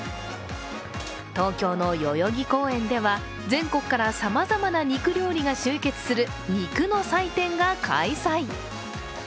東京の代々木公園では全国からさまざまな肉料理が集結する肉の祭典が開催。